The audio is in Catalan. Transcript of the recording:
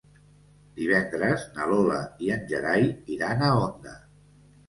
Divendres na Lola i en Gerai iran a Onda.